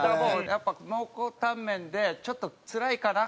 やっぱ蒙古タンメンでちょっとつらいかな